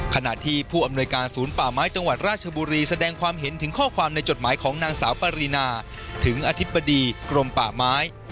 ขณะที่ผู้อำนวยการศูนย์ป่าไม้จังหวัดราชบุรีแสดงความเห็นถึงข้อความในจดหมายของนางสาวปรินาถึงอธิบดีกรมป่าไม้